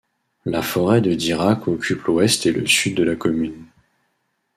La forêt de Dirac occupe l'ouest et le sud de la commune.